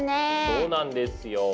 そうなんですよ。